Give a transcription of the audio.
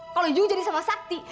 kalau dijual jadi sama sakti